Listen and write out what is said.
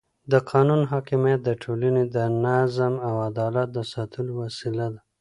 د قانون حاکمیت د ټولنې د نظم او عدالت د ساتلو وسیله ده